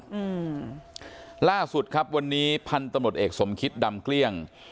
อืมล่าสุดครับวันนี้พันธุ์ตำรวจเอกสมคิตดำเกลี้ยง